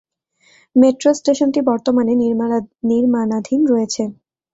Metro স্টেশনটি বর্তমানে নির্মাণাধীন রয়েছে।